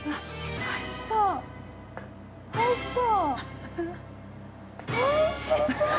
えぇおいしそう。